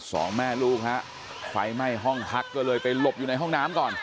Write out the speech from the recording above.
สองแม่ลูกฮะไฟไหม้ห้องพักก็เลยไปหลบอยู่ในห้องน้ำก่อน